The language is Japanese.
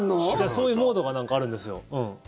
そういうモードがあるんですよ。